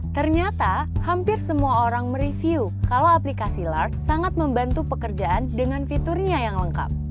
ternyata hampir semua orang mereview kalau aplikasi lark sangat membantu pekerjaan dengan fiturnya yang lengkap